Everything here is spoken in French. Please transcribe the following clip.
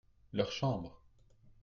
leur chambre.